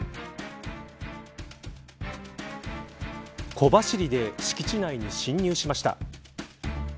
小走りで敷地内に侵入しました。